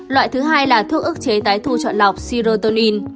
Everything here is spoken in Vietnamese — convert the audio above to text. loại thứ hai là thuốc ức chế tái thu chọn lọc sirotonin